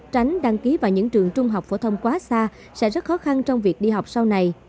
tránh đăng ký vào những trường trung học phổ thông quá xa sẽ rất khó khăn trong việc đi học sau này